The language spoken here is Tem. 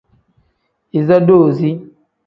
Iza doozi.